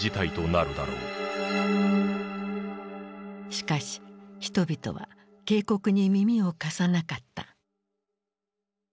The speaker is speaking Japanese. しかし人々は警告に耳を貸さなかった。